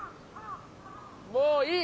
もういい！